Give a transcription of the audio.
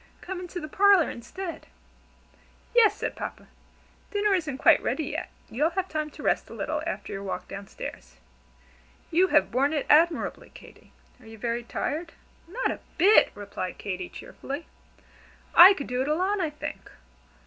Come into the parlor instead." "Yes!" said Papa, "dinner isn't quite ready yet, you'll have time to rest a little after your walk down stairs. You have borne it admirably, Katy. Are you very tired?" "Not a bit!" replied Katy, cheerfully. "I could do it alone, I think.